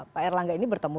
pak erlangga ini bertemu